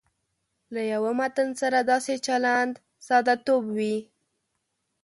له یوه متن سره داسې چلند ساده توب وي.